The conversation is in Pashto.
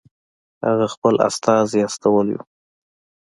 هغه خپل استازی استولی وو.